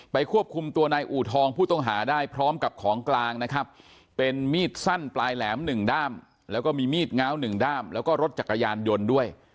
ควบคุมตัวนายอูทองผู้ต้องหาได้พร้อมกับของกลางนะครับเป็นมีดสั้นปลายแหลม๑ด้ามแล้วก็มีมีดง้าว๑ด้ามแล้วก็รถจักรยานยนต์ด้วย